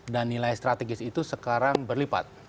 dan nilai strategis itu sekarang berlipat